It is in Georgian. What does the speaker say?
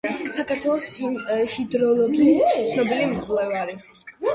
საქართველოს ჰიდროლოგიის ცნობილი მკვლევარი.